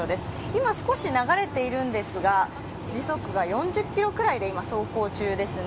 今、少し流れているんですが、時速が４０キロぐらいで今、走行中ですね。